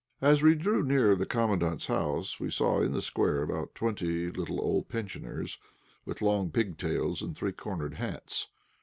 As we drew near the Commandant's house we saw in the square about twenty little old pensioners, with long pigtails and three cornered hats.